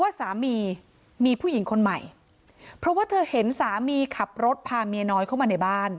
สามีมีผู้หญิงคนใหม่เพราะว่าเธอเห็นสามีขับรถพาเมียน้อยเข้ามาในบ้าน